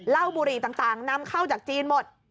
เหล้าบุรีต่างนำเข้าจากจีนหมด